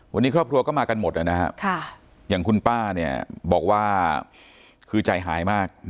วันนี้ครอบครัวก็มากันหมดนะครับอย่างคุณป้าบอกว่าคือใจหายมาก